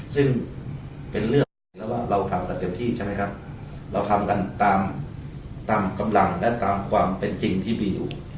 ซึ่งเป็นเรื่องจริงแล้วว่าเราทำกันเต็มที่ใช่ไหมครับเราทำกันตามกำลังและตามความเป็นจริงที่มีอยู่